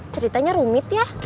ceritanya rumit ya